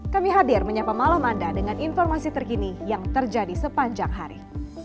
kami hadir menyapa malam anda dengan informasi terkini yang terjadi sepanjang hari